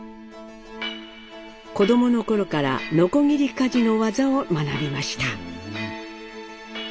子供の頃から鋸鍛冶の技を学びました。